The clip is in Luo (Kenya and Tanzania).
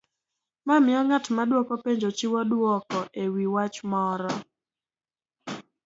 mamiyo ng'at maduoko penjo chiwo dwoko e wi wach moro.